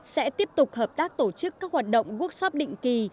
sẽ tiếp tục hợp tác tổ chức các hoạt động workshop định kỳ